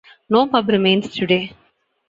No pub remains today.